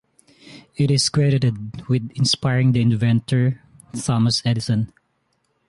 It is credited with inspiring the inventor Thomas Edison.